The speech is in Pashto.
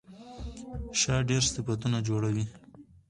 شا ډېر صفتونه جوړوي.